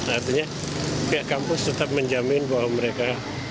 artinya pihak kampus tetap menjamin bahwa mereka